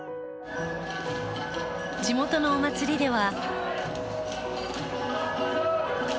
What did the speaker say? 地元のお祭りでは。